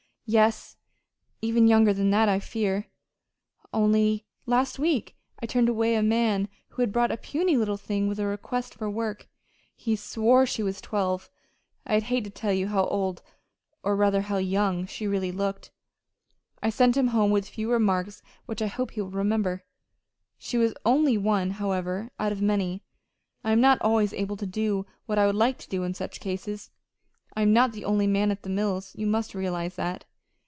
"Yes, even younger than that, I fear. Only last week I turned away a man who brought a puny little thing with a request for work. He swore she was twelve. I'd hate to tell you how old or rather, how young, she really looked. I sent him home with a few remarks which I hope he will remember. She was only one, however, out of many. I am not always able to do what I would like to do in such cases I am not the only man at the mills. You must realize that."